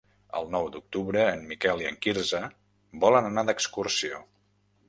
El nou d'octubre en Miquel i en Quirze volen anar d'excursió.